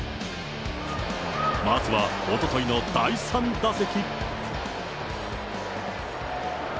まずはおとといの第３打席。